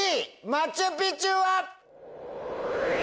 「マチュ・ピチュ」は？